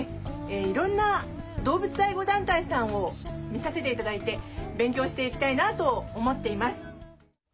いろんな動物愛護団体さんを見させて頂いて勉強していきたいなと思っています。